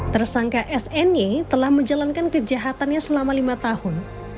tersangka sny telah menjalankan kejahatannya selama lima tahun